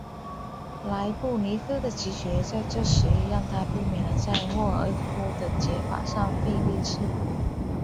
莱布尼兹的直觉在这时让他避免了在沃尔夫的解法上费力气。